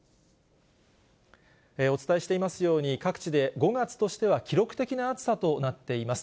お伝えしていますように、各地で５月としては記録的な暑さとなっています。